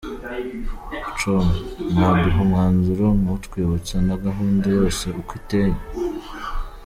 com : Mwaduha umwanzuro mutwibutsa na gahunda yose uko iteye ?.